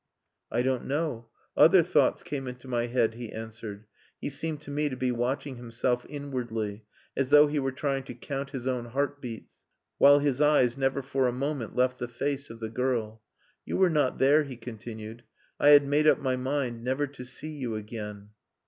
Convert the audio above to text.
"I don't know. Other thoughts came into my head," he answered. He seemed to me to be watching himself inwardly, as though he were trying to count his own heart beats, while his eyes never for a moment left the face of the girl. "You were not there," he continued. "I had made up my mind never to see you again."